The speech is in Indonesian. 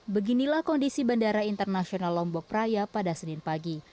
beginilah kondisi bandara internasional lombok raya pada senin pagi